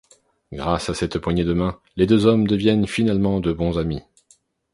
Grâce à cette poignée de main, les deux hommes deviennent finalement de bons amis.